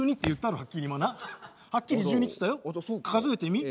数えてみ。